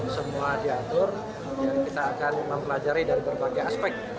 semua diatur dan kita akan mempelajari dari berbagai aspek